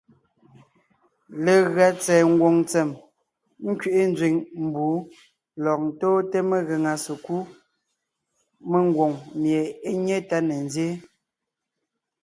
Legʉa tsɛ̀ɛ ngwòŋ ntsèm nkẅiʼi nzẅìŋ mbǔ lɔg ntóonte megàŋa sekúd mengwòŋ mie é nyé tá ne nzyéen;